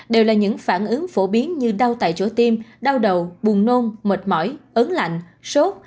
đều là những phản ứng phổ biến như đau tại chỗ tim đau đầu buồn nôn mệt mỏi ấn lạnh sốt